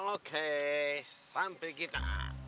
oke sampai kita